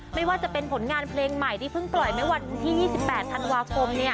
ไม่ว่าจะเป็นผลงานเพลงใหม่ที่เพิ่งปล่อยเมื่อวันที่๒๘ธันวาคม